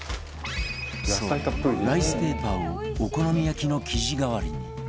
そうライスペーパーをお好み焼きの生地代わりに